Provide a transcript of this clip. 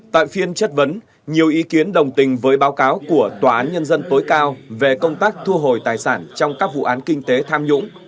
tại phiên chất vấn nhiều ý kiến đồng tình với báo cáo của tòa án nhân dân tối cao về công tác thu hồi tài sản trong các vụ án kinh tế tham nhũng